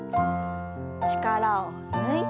力を抜いて。